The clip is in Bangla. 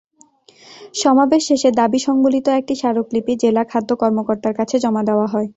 সমাবেশ শেষে দাবিসংবলিত একটি স্মারকলিপি জেলা খাদ্য কর্মকর্তার কাছে জমা দেওয়া হয়।